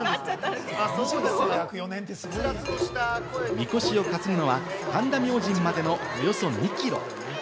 みこしを担ぐのは神田明神までのおよそ２キロ。